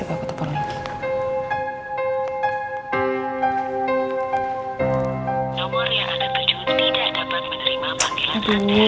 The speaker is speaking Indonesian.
nomor yang ada berjualan tidak dapat menerima panggilan anda